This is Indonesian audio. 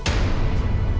nek ini gayungnya nek